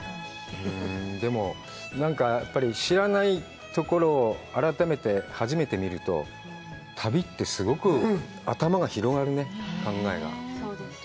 なんかやっぱり知らないところを初めて見ると、旅ってすごく頭が広がるね、考えが。